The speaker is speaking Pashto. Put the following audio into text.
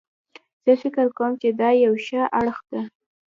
زه فکر کوم چې دا یو ښه اړخ ده